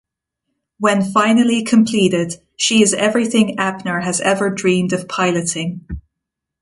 When finally completed, she is everything Abner has ever dreamed of piloting.